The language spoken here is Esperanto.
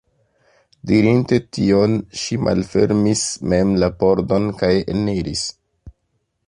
Dirinte tion, ŝi malfermis mem la pordon kaj eniris.